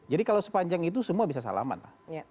jadi kalau sepanjang itu semua bisa salaman